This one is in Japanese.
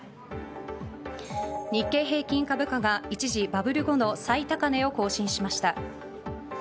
日経平均株価が一時バブル後の最高値を更新しました。